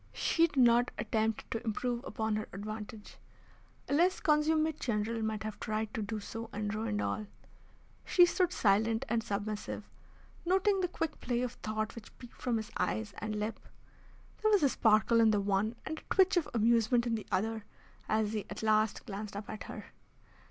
She did not attempt to improve upon her advantage. A less consummate general might have tried to do so, and ruined all. She stood silent and submissive, noting the quick play of thought which peeped from his eyes and lip. There was a sparkle in the one and a twitch of amusement in the other, as he at last glanced up at her.